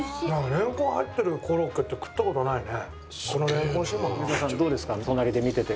レンコン入ってるコロッケって食った事ないね。